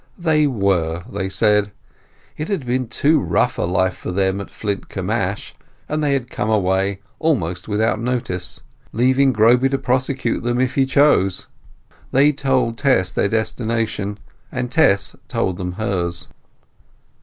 They were, they said. It had been too rough a life for them at Flintcomb Ash, and they had come away, almost without notice, leaving Groby to prosecute them if he chose. They told Tess their destination, and Tess told them hers.